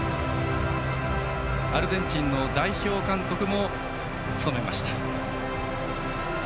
アルゼンチンの代表監督も務めました。